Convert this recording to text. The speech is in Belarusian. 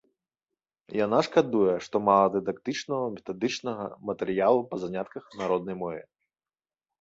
Яна шкадуе, што мала дыдактычнага, метадычнага матэрыялу па занятках на роднай мове.